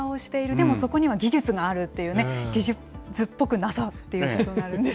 でもそこには技術があるというね、技術っぽくなさっていうことになるんですね。